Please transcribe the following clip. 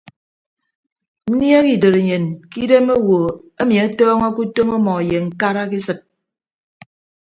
Nniehe idotenyen ke idem owo emi atọọñọke utom ọmọ ye ñkara ke esịt.